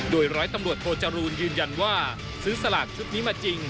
โดยร้อยตำรวจโทจรูลยืนยันว่าซื้อสลากชุดนี้มาจริง